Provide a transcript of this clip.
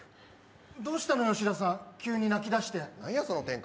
どうしたの、吉田さん、急に泣き出して。